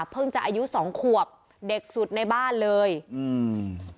จะอายุสองขวบเด็กสุดในบ้านเลยอืม